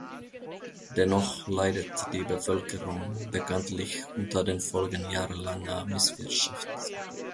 Dennoch leidet die Bevölkerung bekanntlich unter den Folgen jahrelanger Misswirtschaft.